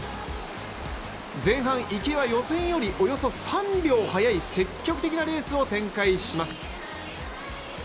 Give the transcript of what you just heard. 前半は予選よりおよそ３秒速い積極的なレースを展開します